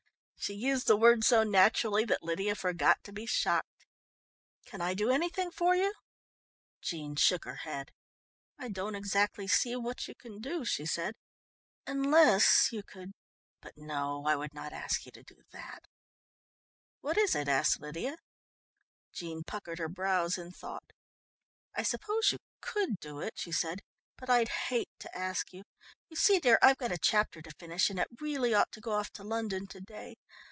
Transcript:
She used the word so naturally that Lydia forgot to be shocked. "Can I do anything for you?" Jean shook her head. "I don't exactly see what you can do," she said, "unless you could but, no, I would not ask you to do that!" "What is it?" asked Lydia. Jean puckered her brows in thought. "I suppose you could do it," she said, "but I'd hate to ask you. You see, dear, I've got a chapter to finish and it really ought to go off to London to day.